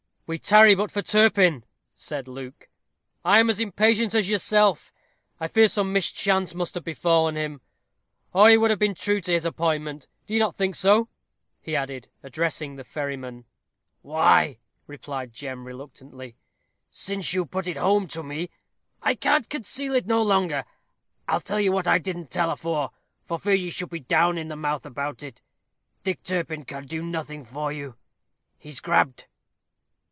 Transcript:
"We tarry but for Turpin," said Luke; "I am as impatient as yourself. I fear some mischance must have befallen him, or he would have been true to his appointment. Do you not think so?" he added, addressing the ferryman. "Why," replied Jem, reluctantly, "since you put it home to me, and I can't conceal it no longer, I'll tell you what I didn't tell afore, for fear you should be down in the mouth about it. Dick Turpin can do nothing for you he's grabb'd."